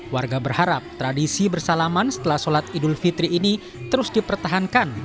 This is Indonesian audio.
warga berharap tradisi bersalaman setelah sholat idul fitri ini terus dipertahankan